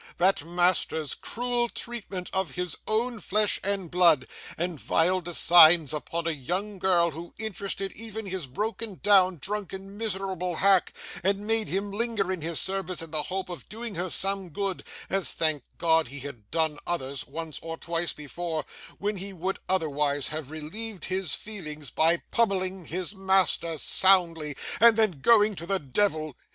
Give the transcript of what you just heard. That master's cruel treatment of his own flesh and blood, and vile designs upon a young girl who interested even his broken down, drunken, miserable hack, and made him linger in his service, in the hope of doing her some good (as, thank God, he had done others once or twice before), when he would, otherwise, have relieved his feelings by pummelling his master soundly, and then going to the Devil.